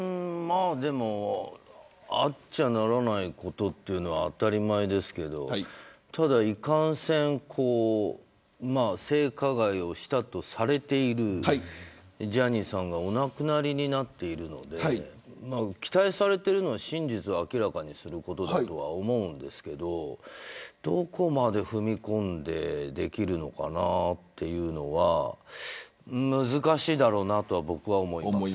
あっちゃならないことというのは当たり前ですけどいかんせん性加害をしたとされているジャニーさんがお亡くなりになっているんで期待されているのは真実を明らかにすることだと思いますが、どこまで踏み込んでできるのかなというのは難しいだろうなと僕は思います。